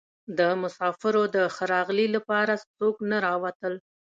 د مسافرو د ښه راغلي لپاره څوک نه راوتل.